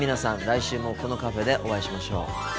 来週もこのカフェでお会いしましょう。